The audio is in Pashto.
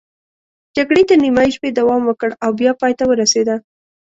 جګړې تر نیمايي شپې دوام وکړ او بیا پای ته ورسېده.